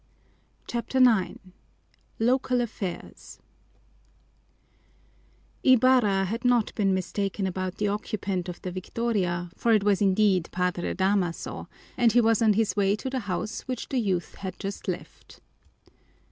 CHAPTER IX Local Affairs Ibarra had not been mistaken about the occupant of the victoria, for it was indeed Padre Damaso, and he was on his way to the house which the youth had just left.